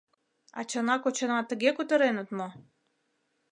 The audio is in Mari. Ачана-кочана тыге кутыреныт мо?